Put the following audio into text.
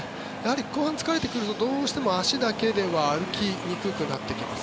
後半疲れてくるとどうしても足だけでは歩きにくくなってきます。